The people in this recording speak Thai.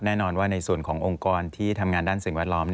แน่นอนว่าในส่วนขององค์กรที่ทำงานด้านสิ่งแวดล้อม